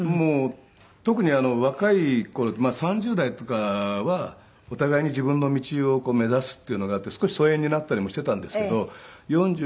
特に若い頃３０代とかはお互いに自分の道を目指すっていうのがあって少し疎遠になったりもしていたんですけど。